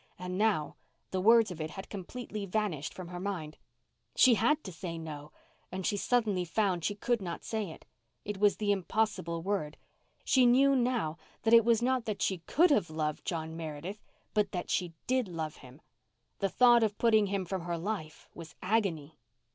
And now the words of it had completely vanished from her mind. She had to say no—and she suddenly found she could not say it. It was the impossible word. She knew now that it was not that she could have loved John Meredith, but that she did love him. The thought of putting him from her life was agony.